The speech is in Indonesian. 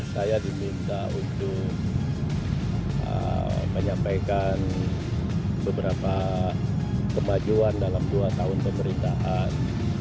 saya diminta untuk menyampaikan beberapa kemajuan dalam dua tahun pemerintahan